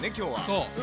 そう！